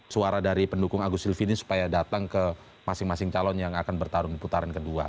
suara dari pendukung agus silvini supaya datang ke masing masing calon yang akan bertarung di putaran ke dua